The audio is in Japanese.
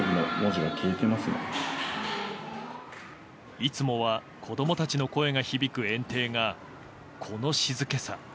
いつもは子供たちの声が響く園庭が、この静けさ。